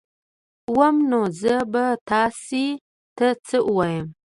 وام نو زه به تاسي ته څه ووایم